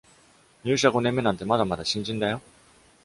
入社五年目なんてまだまだ新人だよ